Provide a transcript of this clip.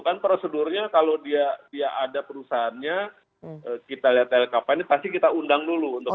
kan prosedurnya kalau dia ada perusahaannya kita lihat lkpn pasti kita undang dulu untuk